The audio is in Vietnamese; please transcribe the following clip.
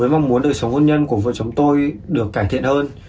với mong muốn đời sống hôn nhân của vợ chồng tôi được cải thiện hơn